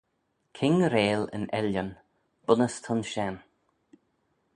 King-reill yn ellan bunnys t'ayns shen.